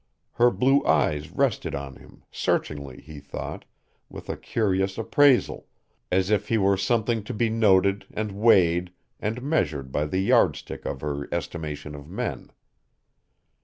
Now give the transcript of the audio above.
Her blue eyes rested on him, searchingly, he thought, with a curious appraisal, as if he were something to be noted and weighed and measured by the yardstick of her estimation of men.